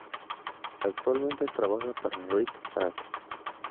Actualmente trabaja para Red Hat.